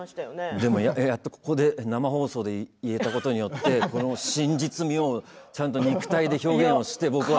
でもやっとここで生放送で言えたことによって真実味をちゃんと肉体で表現をして僕は。